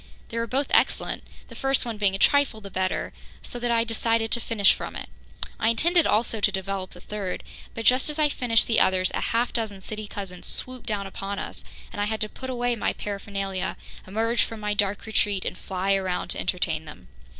They were both excellent, the first one being a trifle the better, so that I decided to finish from it. I intended also to develop the third, but just as I finished the others, a half dozen city cousins swooped down upon us and I had to put away my paraphernalia, emerge from my dark retreat and fly around to entertain them.